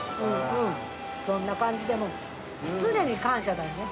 そんな感じでもう、常に感謝だよね。